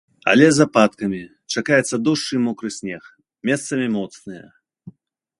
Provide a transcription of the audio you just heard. Але з ападкамі, чакаецца дождж і мокры снег, месцамі моцныя.